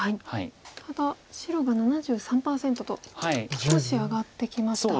ただ白が７３％と少し上がってきました。